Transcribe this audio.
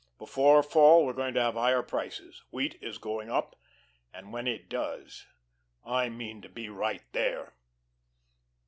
Before fall we're going to have higher prices. Wheat is going up, and when it does I mean to be right there."